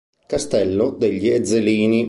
Castello degli Ezzelini